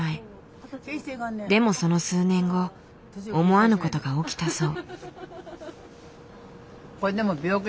でもその数年後思わぬことが起きたそう。